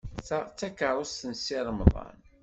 Ta d takeṛṛust n Si Remḍan?